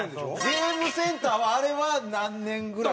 ゲームセンターはあれは何年ぐらいですか？